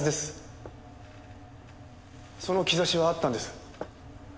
その兆しはあったんです。